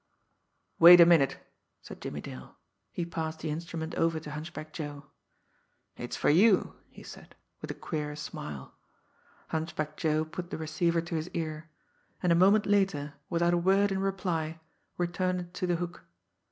"Wait a minute!" said Jimmie Dale. He passed the instrument over to Hunchback Joe. "It's for you," he said, with a queer smile. Hunchback Joe put the receiver to his ear and a moment later, without a word in reply, returned it to the hook.